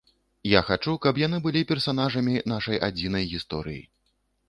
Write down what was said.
Я хачу, каб яны былі персанажамі нашай адзінай гісторыі.